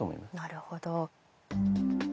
なるほど。